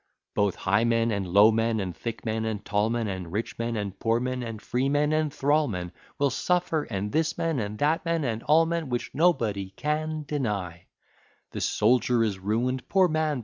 Both high men and low men, and thick men and tall men, And rich men and poor men, and free men and thrall men, Will suffer; and this man, and that man, and all men. Which, &c. The soldier is ruin'd, poor man!